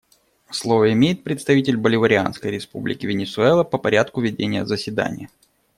Слово имеет представитель Боливарианской Республики Венесуэла по порядку ведения заседания.